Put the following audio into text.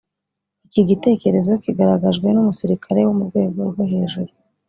iki gitekerezo kigaragajwe n'umusirikari wo mu rwego rwo hejuru